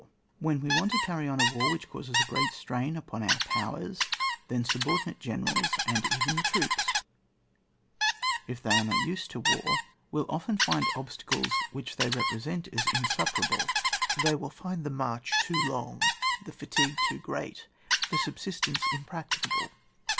When we want to carry on a war which causes a great strain upon our powers, then subordinate generals, and oven the troops (if they are not used to war) will often find obstacles which they represent as insuperable. They will find the march too long, the fatigue too great, the subsistence impracticable.